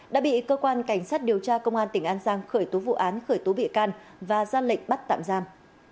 đã bị cơ quan cảnh sát điều tra công an tỉnh an giang khởi tố vụ án khởi tố bị can và ra lệnh bắt tạm giam